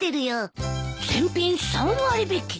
全品３割引き。